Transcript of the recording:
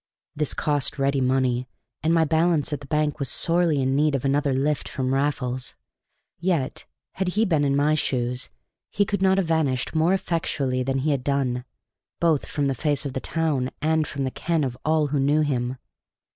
This cost ready money, and my balance at the bank was sorely in need of another lift from Raffles. Yet, had he been in my shoes, he could not have vanished more effectually than he had done, both from the face of the town and from the ken of all who knew him.